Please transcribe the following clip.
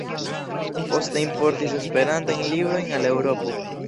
Poste importis Esperantajn librojn el Eŭropo.